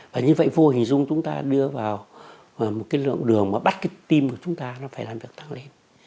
và như vậy vô hình dung chúng ta đưa vào một cái lượng đường mà bắt cái tim của chúng ta nó phải làm việc tăng lên